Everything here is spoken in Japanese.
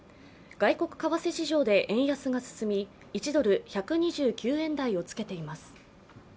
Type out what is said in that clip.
外国為替市場で円安が進み、１ドル＝１２９円台をつけています。